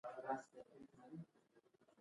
دوی خپله سیاسي مبارزه هم په بریالیتوب پر مخ وړي